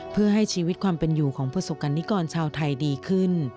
เพื่อให้ชีวิตความเป็นอยู่ของประสบกรณิกรชาวไทยดีขึ้น